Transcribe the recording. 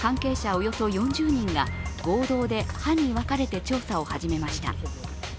およそ４０人が合同で班に分かれて調査を始めました。